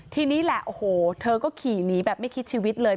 ทีนี้แหละโอ้โหเธอก็ขี่หนีแบบไม่คิดชีวิตเลย